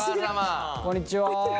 こんにちは。